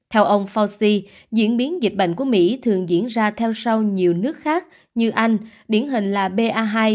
theo ông fauci diễn biến dịch bệnh của mỹ thường diễn ra theo sau nhiều nước khác như anh điển hình là ba